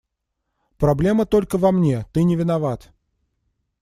Проблема только во мне, ты не виноват.